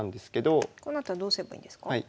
このあとはどうすればいいんですか？